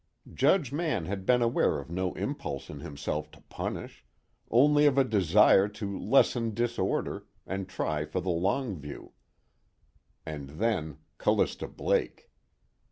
Judge Mann had been aware of no impulse in himself to punish, only of a desire to lessen disorder, and try for the long view. And then, Callista Blake.